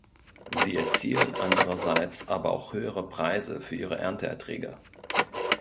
Sie erzielen andererseits aber auch höhere Preise für ihre Ernteerträge.